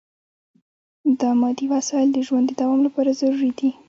دا مادي وسایل د ژوند د دوام لپاره ضروري دي.